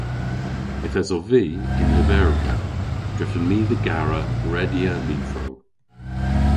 Yth esov vy y'n lyverva drefen my dhe gara redya lyvrow.